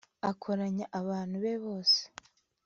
akoranya abantu be bose